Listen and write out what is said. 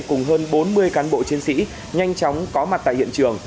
cùng hơn bốn mươi cán bộ chiến sĩ nhanh chóng có mặt tại hiện trường